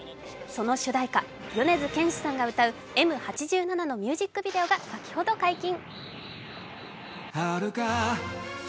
その主題歌、米津玄師さんが歌う「Ｍ八七」のミュージックビデオが先ほど解禁。